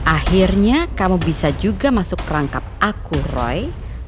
akhirnya kamu bisa juga masuk kerangkap aku roy